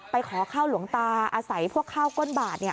ขอข้าวหลวงตาอาศัยพวกข้าวก้นบาท